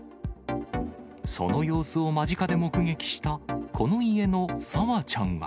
その様子を間近で目撃したこの家の咲羽ちゃんは。